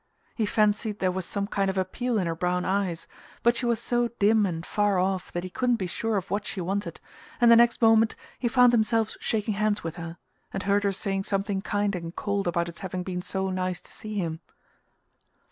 He fancied there was some kind of appeal in her brown eyes; but she was so dim and far off that he couldn't be sure of what she wanted, and the next moment he found himself shaking hands with her, and heard her saying something kind and cold about its having been so nice to see him...